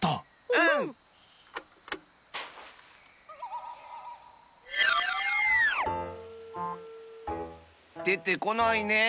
うん！でてこないね。